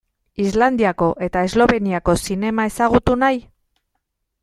Islandiako eta Esloveniako zinema ezagutu nahi?